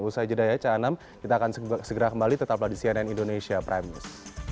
usai jeda ya ca anam kita akan segera kembali tetaplah di cnn indonesia prime news